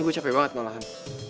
gue capek banget ngelahan